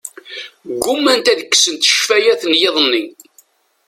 Ggumant ad kksent ccfayat n yiḍ-nni.